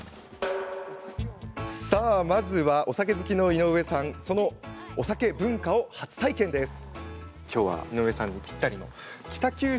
まずはお酒好きの井上さんがそのお酒文化を初体験しました。